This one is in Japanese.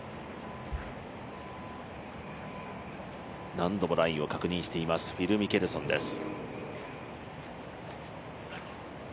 何度もラインを確認しています、フィル・ミケルソンです。